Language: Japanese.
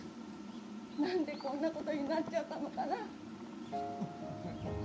なんでこんなことになっちゃったのかな。